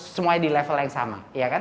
semuanya di level yang sama